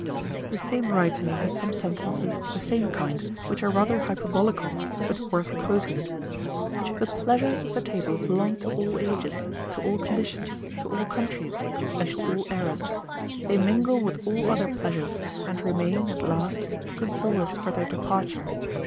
The same writer has some sentences of the same kind, which are rather hyperbolical, but worth quoting: "The pleasures of the table belong to all ages, to all conditions, to all countries, and to all eras; they mingle with all other pleasures, and remain, at last, to console us for their departure.